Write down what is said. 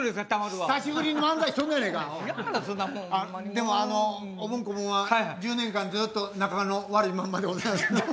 でもおぼん・こぼんは１０年間ずっと仲の悪いまんまでございます。